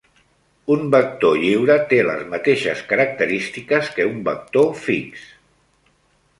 Un vector lliure té les mateixes característiques que un vector fix.